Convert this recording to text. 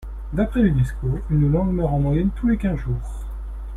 D’après l’Unesco, une langue meurt en moyenne tous les quinze jours.